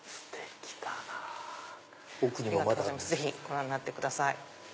ぜひご覧になってください。